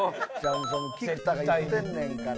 菊田が言ってんねんから。